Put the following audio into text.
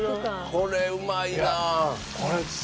これうまいな！